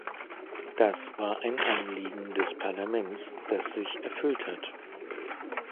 Das war ein Anliegen des Parlaments, das sich erfüllt hat.